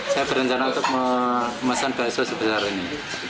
saya berencana untuk memesan bakso sebesar ini